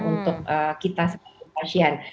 untuk kita sebagai pasien